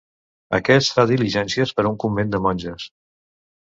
Aquest fa diligències per a un convent de monges.